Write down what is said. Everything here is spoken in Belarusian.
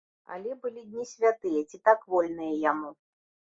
Але былі дні святыя ці так вольныя яму.